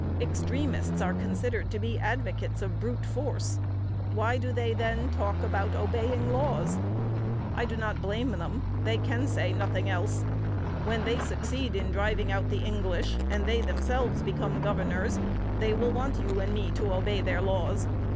Extremists are considered to be advocates of brute force. Why do they, then, talk about obeying laws? I do not blame them. They can say nothing else. When they succeed in driving out the English, and they themselves become governors, they will want you and me to obey their laws.